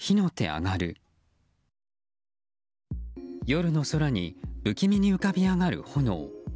夜の空に不気味に浮かび上がる炎。